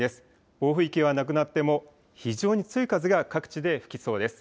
暴風域はなくなっても、非常に強い風が各地で吹きそうです。